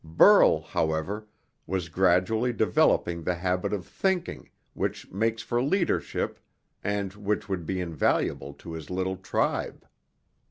Burl, however, was gradually developing the habit of thinking which makes for leadership and which would be invaluable to his little tribe.